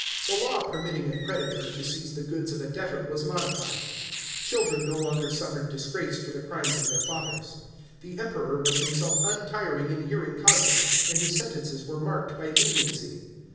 The law per mitting a creditor to seize the goods of a debtor was modified. 540 PRINUIPATE OF MARCUS AURELIUS. CHAP, xxvui Children no longer suffered disgrace for the crimes of their fathers. The Einperor was himself untiring in hearing causes, and his sentences were marked by leniency.